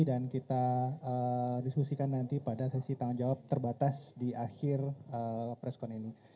dan kita diskusikan nanti pada sesi tanggung jawab terbatas di akhir presscon ini